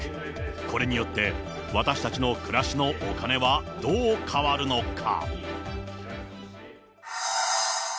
これによって、私たちの暮らしのお金はどう変わるのか。